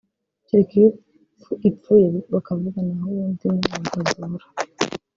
cyereka iyo ipfuye bakavuga naho ubundi ntabwo zibura